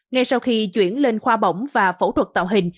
ngay sau khi chuyển lên khoa bỏng và phẫu thuật tạo hình